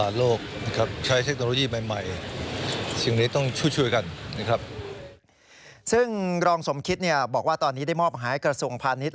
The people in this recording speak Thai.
โดยนายสมคิตบอกว่าตอนนี้ได้มอบหายกระทรวงพาณิชย์